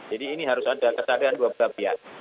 jadi ini harus ada kesatuan dua belah pihak